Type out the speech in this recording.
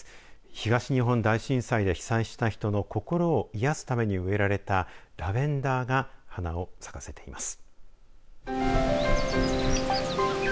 東日本大震災で被災した人の心をいやすために植えられたラベンダーが花を咲かせています。